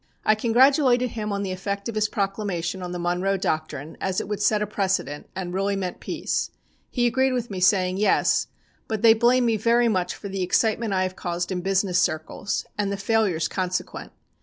"I congratulated him on the effect of his proclamation on the Monroe Doctrine as it would set a precedent, and really meant peace. He agreed with me, saying: "'Yes, but they blame me very much for the excitement I have caused in business circles, and the failures consequent.